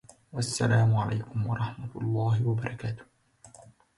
We have purposely avoided any discussion on gradualism as an element in emancipation.